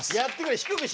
低くして。